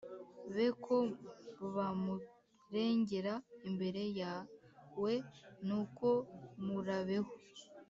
be ko bamuregera imbere yawe Nuko murabeho